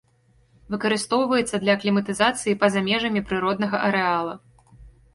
Выкарыстоўваецца для акліматызацыі па-за межамі прыроднага арэала.